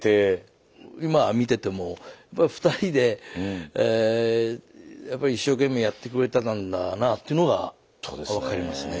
まあ見ててもやっぱり２人でやっぱり一生懸命やってくれてたんだなぁっていうのが分かりますね。